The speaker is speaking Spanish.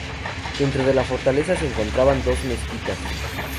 Dentro de la fortaleza se encontraban dos mezquitas.